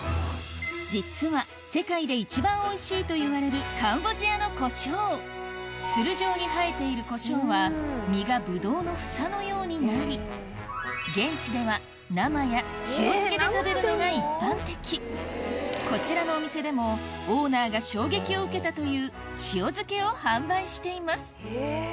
実は世界で一番おいしいといわれるカンボジアの胡椒ツル状に生えている胡椒は実がブドウの房のようになり現地ではのが一般的こちらのお店でもオーナーが衝撃を受けたという塩漬けを販売しています